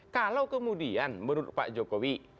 kalau kemudian menurut pak jokowi